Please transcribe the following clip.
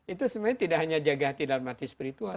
itu sebenarnya tidak hanya jaga hati dan mati spiritual